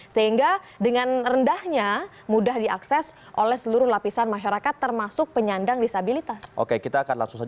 sehingga dengan rendahnya mudah diakses oleh seluruh lapisan masyarakat termasuk penyandang disabilitas